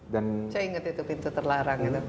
saya ingat itu pintu terlarang